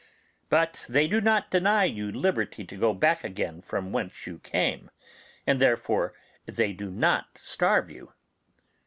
But they do not deny you liberty to go back again from whence you came, and therefore they do not starve you.